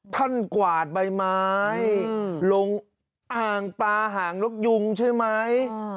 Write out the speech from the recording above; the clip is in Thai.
ท่านกวาดใบไม้ห่างปลาห่างลูกยุงใช่ไหม